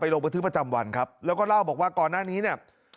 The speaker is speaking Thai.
ลงบันทึกประจำวันครับแล้วก็เล่าบอกว่าก่อนหน้านี้เนี่ย